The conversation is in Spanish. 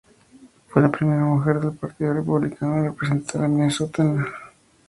Fue la primera mujer del Partido Republicano en representar a Minnesota en el congreso.